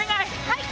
はい！